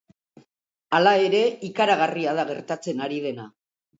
Hala ere, ikaragarria da gertatzen ari dena.